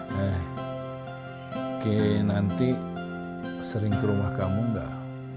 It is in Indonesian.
oke nanti sering ke rumah kamu gak